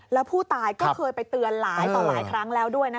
แล้วผู้ตายก็เคยไปเตือนหลายต่อหลายครั้งแล้วด้วยนะคะ